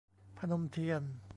พนมเทียน